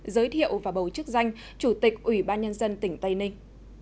giới thiệu và bầu chức danh chủ tịch ủy ban nhân dân tỉnh tây ninh